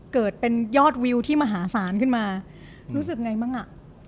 เกิดเป็นยอดวิวที่มหาศาลขึ้นมารู้สึกไงบ้างอ่ะ